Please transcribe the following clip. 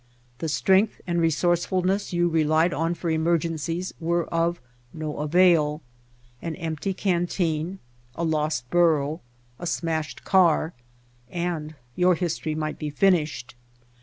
The strength and resourcefulness you relied on for emergencies were of no avail; an empty canteen, a lost burro, a smashed car, and your history might be finished.